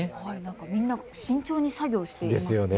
みんな、慎重に作業していますね。